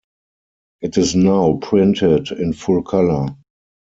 It is now printed in full colour.